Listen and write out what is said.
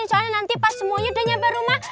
soalnya nanti pas semuanya sudah sampai rumah